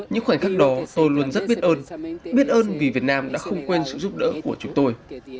những khoảnh khắc đó tôi luôn rất biết ơn biết ơn vì việt nam đã không quên sự giúp đỡ của chúng tôi